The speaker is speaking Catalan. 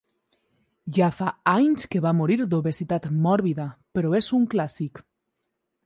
Ja fa anys que va morir d'obesitat mòrbida, però és un clàssic.